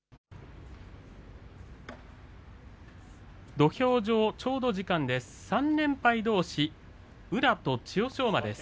土俵上ちょうど時間です。